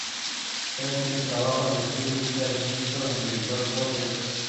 Tras siete trabajos de estudio editan el disco en directo "Jo ta Ke".